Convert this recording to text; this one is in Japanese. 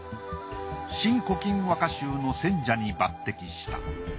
『新古今和歌集』の撰者に抜擢した。